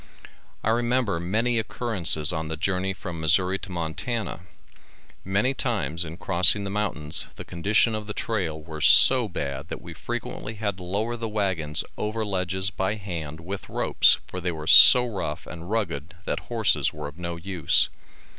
I remember many occurrences on the journey from Missourri to Montana. Many times in crossing the mountains the conditions of the trail were so bad that we frequently had to lower the wagons over ledges by hand with ropes for they were so rough and rugged that horses were of no use.